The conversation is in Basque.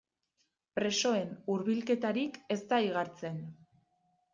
Presoen hurbilketarik ez da igartzen.